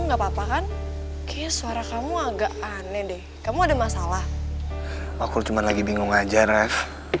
nggak papa kan kayaknya suara kamu agak aneh deh kamu ada masalah aku cuma lagi bingung aja ref